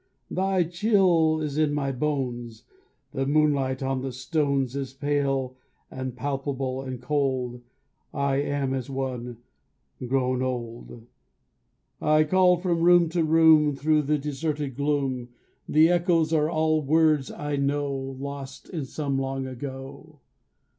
Thy chill is in my bones; The moonlight on the stones Is pale, and palpable, and cold; I am as one grown old. I call from room to room Through the deserted gloom; The echoes are all words I know, Lost in some long ago.